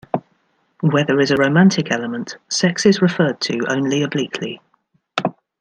Where there is a romantic element, sex is referred to only obliquely.